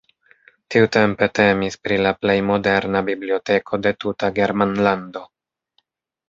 Tiutempe temis pri la plej moderna biblioteko de tuta Germanlando.